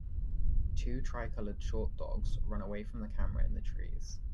Two tricolored short dogs run away from the camera in the trees.